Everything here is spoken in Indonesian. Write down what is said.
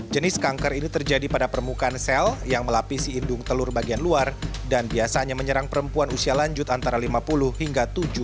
jenis kanker ini terjadi pada permukaan sel yang melapisi indung telur bagian luar dan biasanya menyerang perempuan usia lanjut antara lima puluh hingga tujuh puluh